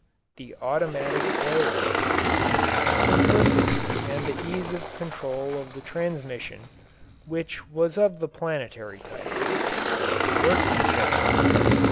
The automatic oiling. The simplicity and the ease of control of the transmission, which was of the planetary type. The workmanship.